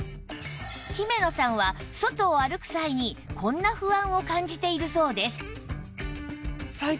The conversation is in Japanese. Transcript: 姫野さんは外を歩く際にこんな不安を感じているそうです